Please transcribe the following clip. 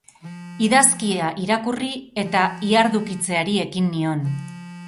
Idazkia irakurri eta ihardukitzeari ekin nion.